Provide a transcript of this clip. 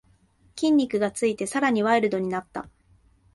筋肉がついてさらにワイルドになった